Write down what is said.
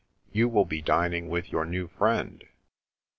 You will be dining with your new friend."